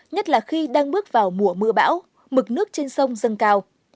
nhất là khi đang bước vào mùa mưa bão mực nước trên sông dâng cao